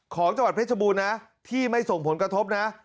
จังหวัดเพชรบูรณนะที่ไม่ส่งผลกระทบนะ